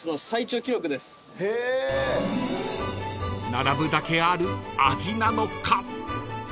［並ぶだけある味なのか？］